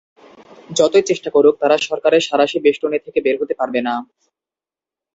যতই চেষ্টা করুক তারা সরকারের সাঁড়াশি বেষ্টনী থেকে বের হতে পারবে না।